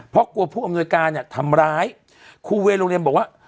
เพราะกลัวผู้อำนวยการเนี่ยทำร้ายครูเวโรงเรียนบอกว่า